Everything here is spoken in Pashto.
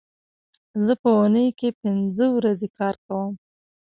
زه په اونۍ کې پینځه ورځې کار کوم